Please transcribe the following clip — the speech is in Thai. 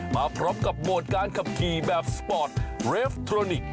มาพร้อมกับโหมดการขับขี่แบบสปอร์ตเรฟทรอนิกส์